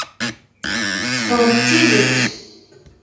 Teffeɣ-d d tidet.